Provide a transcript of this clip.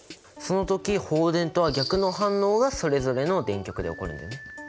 その時放電とは逆の反応がそれぞれの電極で起こるんだよね。